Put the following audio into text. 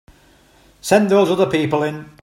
Send those other people in.